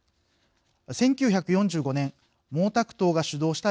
１９４５年毛沢東が主導した